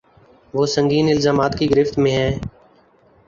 وہ سنگین الزامات کی گرفت میں ہیں۔